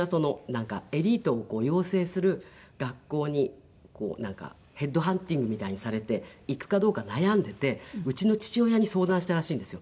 エリートを養成する学校にヘッドハンティングみたいにされて行くかどうか悩んでいてうちの父親に相談したらしいんですよ。